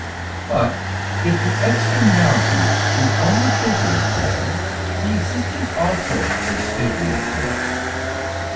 But if the externality is only figurative, the existence also is figurative.